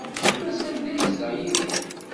Mazal da i yezdeɣ Yidir?